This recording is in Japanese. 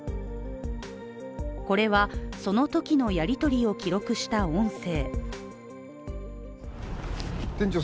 これは、そのときのやり取りを記録した音声。